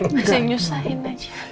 masih nyusahin aja